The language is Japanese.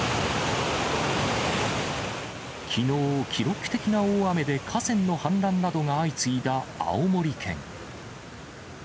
きのう、記録的な大雨で河川の氾濫などが相次いだ青森県。